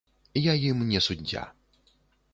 Я ім не суддзя.